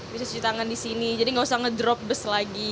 bisa cuci tangan di sini jadi nggak usah ngedrop bus lagi